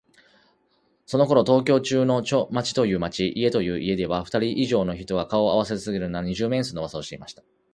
そのころ、東京中の町という町、家という家では、ふたり以上の人が顔をあわせさえすれば、まるでお天気のあいさつでもするように、怪人「二十面相」のうわさをしていました。